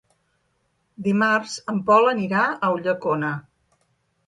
Dimarts en Pol anirà a Ulldecona.